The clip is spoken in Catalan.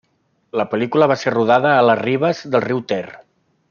La pel·lícula va ser rodada a les ribes del riu Ter.